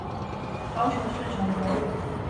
高雄市崇德路